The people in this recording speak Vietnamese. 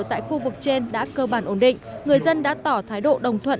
tại khu vực trên đã cơ bản ổn định người dân đã tỏ thái độ đồng thuận